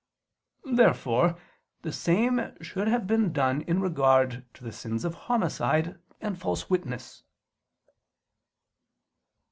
Therefore the same should have been done in regard to the sins of homicide and false witness.